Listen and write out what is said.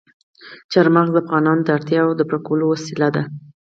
چار مغز د افغانانو د اړتیاوو د پوره کولو وسیله ده.